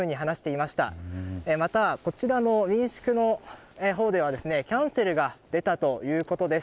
また、こちらの民宿ではキャンセルが出たということです。